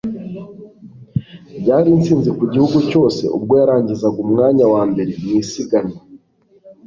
byari intsinzi ku gihugu cyose ubwo yarangizaga umwanya wa mbere mu isiganwa